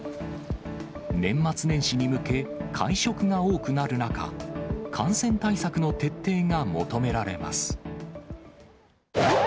年末年始に向け、会食が多くなる中、感染対策の徹底が求められます。